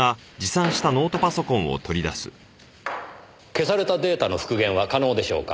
消されたデータの復元は可能でしょうか？